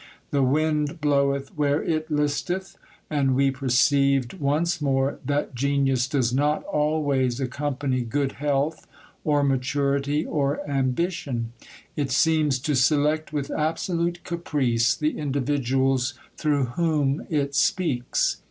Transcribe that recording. The wind bloweth where it listeth; and we perceived once more that genius does not always accompany good health, or maturity, or ambition; it seems to select with absolute caprice the individuals through whom it speaks.